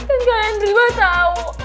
kan kalian berdua tau